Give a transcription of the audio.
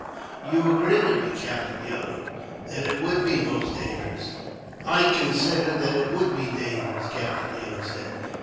"You agree with me, Captain Young, that it would be most dangerous?" "I consider that it would be dangerous," Captain Young said.